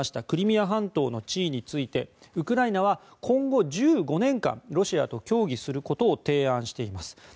クリミア半島の地位についてウクライナは今後１５年間、ロシアと協議することを提案しています。